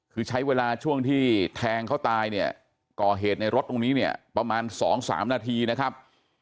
คือใช้เวลาช่วงที่แทงเขาตายเนี่ยก่อเหตุในรถตรงนี้เนี่ยประมาณ๒๓นาทีนะครับ